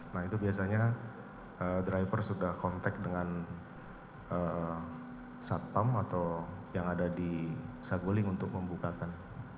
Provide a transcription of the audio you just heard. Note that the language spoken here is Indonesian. nah itu biasanya driver sudah kontak dengan satpam atau yang ada di saguling untuk membukakan